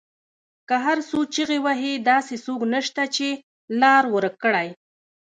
که هر څو چیغې وهي داسې څوک نشته، چې لار ورکړی